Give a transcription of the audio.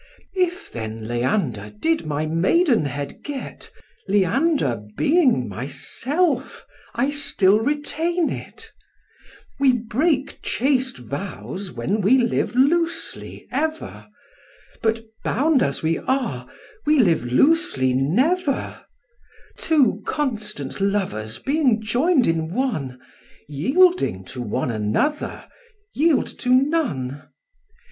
If, then, Leander did my maidenhead git, Leander being myself, I still retain it: We break chaste vows when we live loosely ever, But bound as we are, we live loosely never: Two constant lovers being join'd in one, Yielding to one another, yield to none.